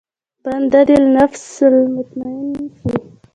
بنده دې النفس المطمئنه شي.